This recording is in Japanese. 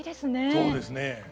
そうですね。